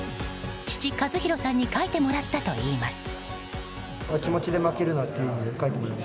父・和博さんに書いてもらったといいます。